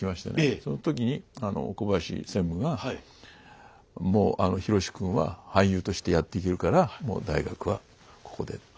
その時にあの小林専務がもうひろし君は俳優としてやっていけるからもう大学はここでって。